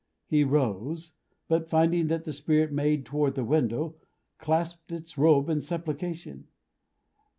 He rose: but finding that the Spirit made toward the window, clasped its robe in supplication.